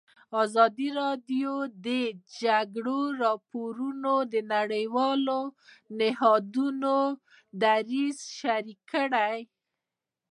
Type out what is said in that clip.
ازادي راډیو د د جګړې راپورونه د نړیوالو نهادونو دریځ شریک کړی.